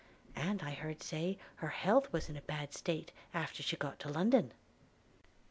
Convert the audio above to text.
– and I heard say, her health was in a bad state, after she got to London.'